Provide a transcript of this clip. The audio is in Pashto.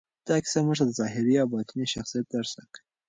دا کیسه موږ ته د ظاهري او باطني شخصیت درس راکوي.